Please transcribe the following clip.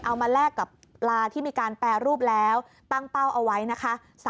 แลกกับปลาที่มีการแปรรูปแล้วตั้งเป้าเอาไว้นะคะ